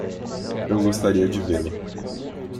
Eu gostaria de vê-la.